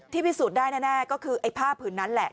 พิสูจน์ได้แน่ก็คือไอ้ผ้าผืนนั้นแหละ